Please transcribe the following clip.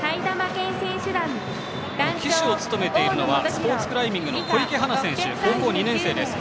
旗手を務めているのはスポーツクライミングの小池はな選手、高校２年生です。